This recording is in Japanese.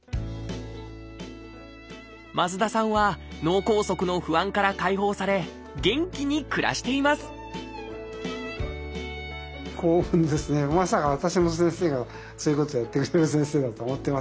増田さんは脳梗塞の不安から解放され元気に暮らしていますよかった。